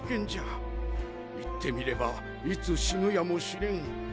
言ってみればいつ死ぬやもしれん。